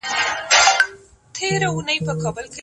هم د بابا، هم د نیکه، حماسې هېري سولې